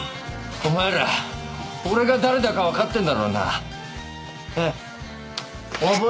お前ら俺が誰だか分かってんだろうなええ